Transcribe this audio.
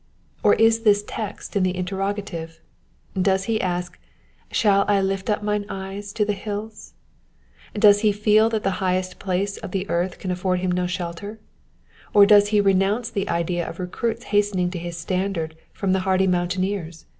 Or is the text in the interrogative ? Does he ask, Shall I lift up mine eyes to the hills ?^^ Does he feel that the highest places of the earth cati afford him no shelter? Or does he renounce the idea of recruits hastening to his standard from the hardy mountaineers